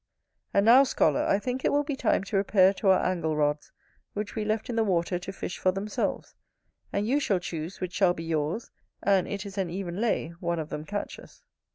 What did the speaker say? And now, scholar, I think it will be time to repair to our angle rods, which we left in the water to fish for themselves; and you shall choose which shall be yours; and it is an even lay, one of them catches.